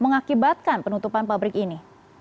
mengakibatkan penutupan pabrik ini